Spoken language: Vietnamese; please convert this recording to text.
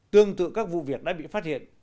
tương tự các vụ viện